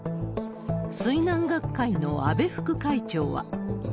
水難学会の安倍副会長は。